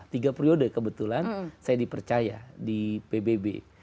tiga periode kebetulan saya dipercaya di pbb